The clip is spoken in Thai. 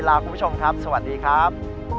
ลาคุณผู้ชมครับสวัสดีครับ